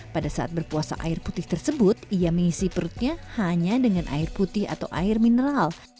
pada saat berpuasa air putih tersebut ia mengisi perutnya hanya dengan air putih atau air mineral